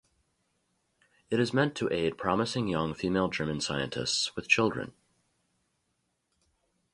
It is meant to aid promising young female German scientists with children.